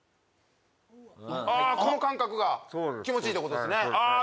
ああこの感覚が気持ちいいってことですねああ